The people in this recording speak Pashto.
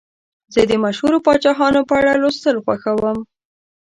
زه د مشهورو پاچاهانو په اړه لوستل خوښوم.